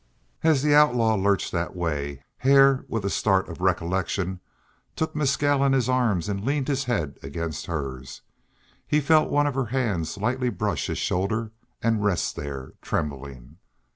As the outlaw lurched that way, Hare, with a start of recollection, took Mescal in his arms and leaned his head against hers. He felt one of her hands lightly brush his shoulder and rest there, trembling.